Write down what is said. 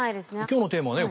今日のテーマはね